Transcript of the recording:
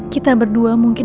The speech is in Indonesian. kita berdua mungkin